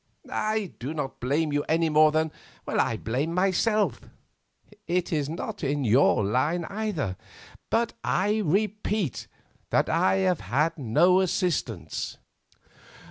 I do not blame you any more than I blame myself—it is not in your line either—but I repeat that I have had no assistance."